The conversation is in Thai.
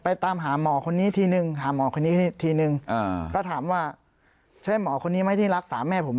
ตามหาหมอคนนี้ทีนึงหาหมอคนนี้ทีนึงอ่าก็ถามว่าใช่หมอคนนี้ไหมที่รักษาแม่ผม